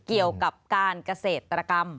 เกี่ยวกับการเกษตรกรรม